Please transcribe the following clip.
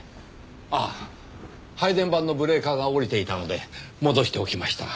ああ配電盤のブレーカーが下りていたので戻しておきました。